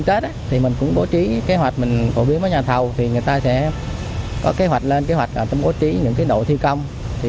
thì người ta sẽ có kế hoạch lên kế hoạch bố trí những đội thi công